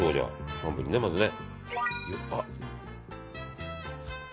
半分にね、まずね。